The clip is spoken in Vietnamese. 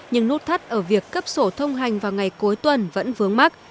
nhưng nút thắt ở việc cấp sổ thông hành vào ngày cuối tuần vẫn vướng mắt